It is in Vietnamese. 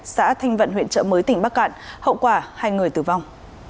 xã thanh vận huyện trợ mới tỉnh bắc cạn hậu quả hai người tử vong